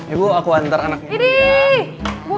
ibu aku antar anaknya